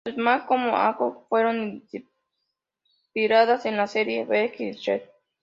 Tanto Sally como Akko-chan fueron inspiradas en la serie "Bewitched".